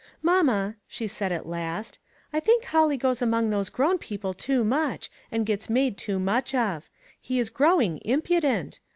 " Mamma," she said at last, " I think Holly goes among those grown people too much, and gets made too much of. He is growing impudent.